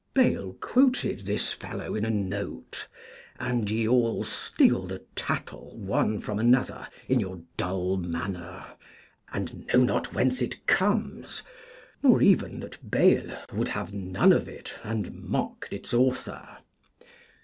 Bayle quoted this fellow in a note, and ye all steal the tattle one from another in your dull manner, and know not whence it comes, nor even that Bayle would none of it and mocked its author.